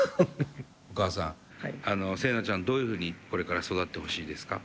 お母さんセイナちゃんどういうふうにこれから育ってほしいですか？